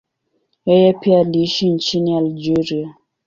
Yeye pia aliishi nchini Algeria.